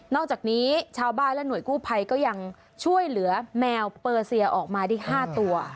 อกจากนี้ชาวบ้านและหน่วยกู้ภัยก็ยังช่วยเหลือแมวเปอร์เซียออกมาได้๕ตัว